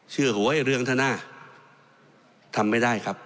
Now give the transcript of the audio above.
เชื่อหัวไอ้เรืองทนาทำไม่ได้ครับ